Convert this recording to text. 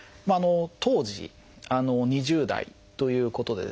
当時２０代ということでですね